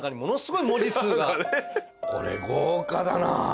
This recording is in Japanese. これ豪華だな。